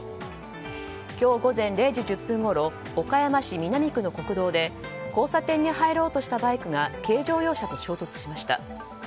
今日午前０時１０分ごろ岡山市南区の国道で交差点に入ろうとしたバイクが軽乗用車と衝突しました。